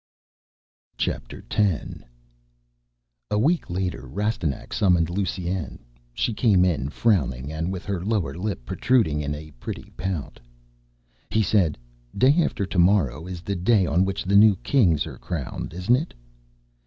X A week later Rastignac summoned Lusine. She came in frowning, and with her lower lip protruding in a pretty pout. He said, "Day after tomorrow is the day on which the new Kings are crowned, isn't it?"